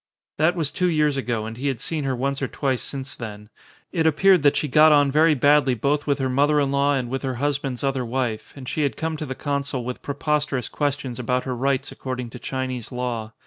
That was two years ago and he had seen her once or twice since then. It appeared that she got on very badly both with her mother in law and with her husband's other wife, and she had come to the consul with preposterous questions about her rights according to Chinese law.